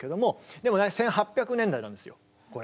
でもね１８００年代なんですよこれ。